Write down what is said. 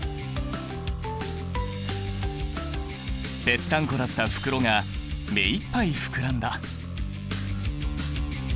ペッタンコだった袋が目いっぱい膨らんだ！